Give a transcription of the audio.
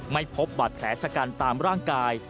ไม่พบบาดแผลชะกันตามร่างกาย